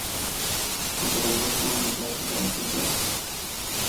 کہ ڈوگرہ سنڑ بھی کافی کم کیتے۔